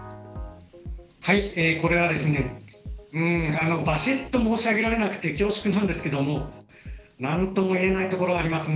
これは、ばしっと申し上げられなくて恐縮なんですけれども何とも言えないところがありますね。